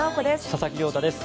佐々木亮太です。